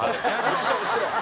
後ろ後ろ！